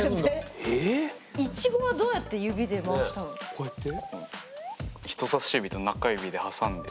こうやって？